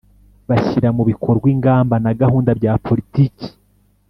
Bashyira mu bikorwa ingamba na gahunda bya politiki